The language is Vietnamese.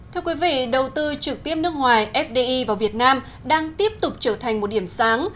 thưa quý vị đầu tư trực tiếp nước ngoài fdi vào việt nam đang tiếp tục trở thành một điểm sáng